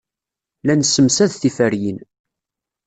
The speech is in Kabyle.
La nessemsad tiferyin.